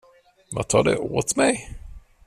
Vad tar det åt mig?